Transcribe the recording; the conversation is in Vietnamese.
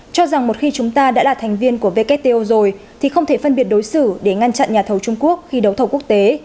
cho rằng một khi chúng ta đã là thành viên của wto rồi thì không thể phân biệt đối xử để ngăn chặn nhà thầu trung quốc khi đấu thầu quốc tế